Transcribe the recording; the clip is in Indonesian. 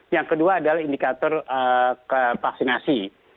yang kedua adalah indikator vaksinasi